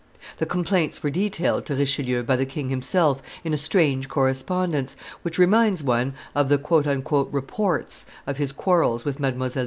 The complaints were detailed to Richelieu by the king himself in a strange correspondence, which reminds one of the "reports" of his quarrels with Mdlle.